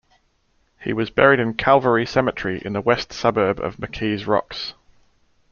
He was buried in Calvary Cemetery in the west suburb of McKees Rocks.